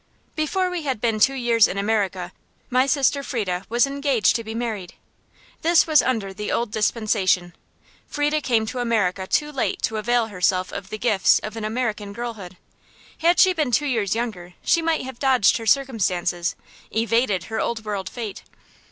Before we had been two years in America, my sister Frieda was engaged to be married. This was under the old dispensation: Frieda came to America too late to avail herself of the gifts of an American girlhood. Had she been two years younger she might have dodged her circumstances, evaded her Old World fate.